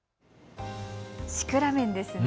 シクラメンですね。